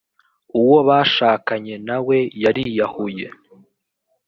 uwo bashakanye nawe yariyahuye.